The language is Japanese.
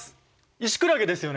イシクラゲですよね？